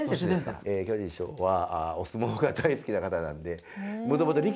巨人師匠はお相撲が大好きな方なので。